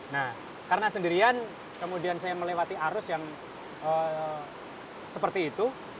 nah karena sendirian kemudian saya melewati arus yang seperti itu